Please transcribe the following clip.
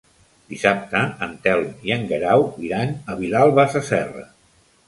Dissabte en Telm i en Guerau iran a Vilalba Sasserra.